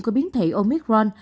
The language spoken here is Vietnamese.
của biến thể omicron